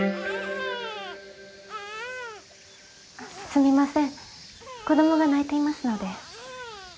すみません子どもが泣いていますので。